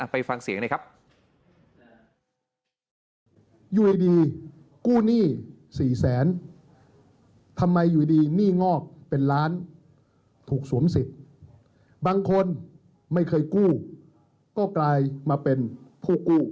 ไปฟังเสียงหน่อยครับ